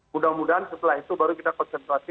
mudah mudahan setelah itu baru kita konsentrasi